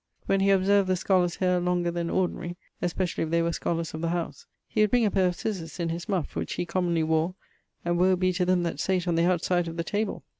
When he observed the scolars' haire longer then ordinary (especially if they were scholars of the howse), he would bring a paire of cizers in his muffe (which he commonly wore), and woe be to them that sate on the outside of the table[I].